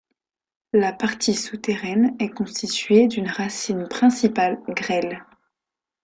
La partie souterraine est constitué d'une racine principale grêle.